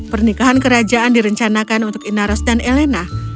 pernikahan kerajaan direncanakan untuk inaros dan elena